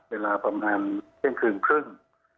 เวลาประมาณเที่ยงคืนครึ่ง